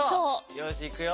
よしいくよ。